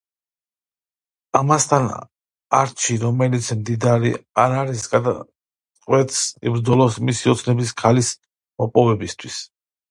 ამასთან არჩი, რომელიც მდიდარი არ არის, გადაწყვეტს, იბრძოლოს მისი ოცნების ქალის მოპოვებისთვის.